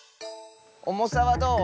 おもさはどう？